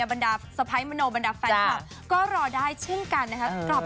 บรรดาสะพ้ายมโนบรรดาแฟนคลับก็รอได้เช่นกันนะครับ